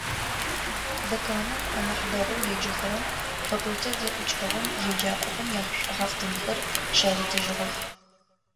Деканым анахь дэгъоу еджэхэрэм факультет зэӏукӏэгъум еджакӏохэм яшӏухьафтынхэр щаритыжьыгъэх.